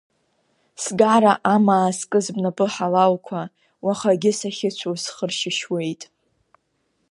Сгара амаа зкыз бнапы ҳалалқәа, уахагьы сахьыцәоу схы ршьышьуеит.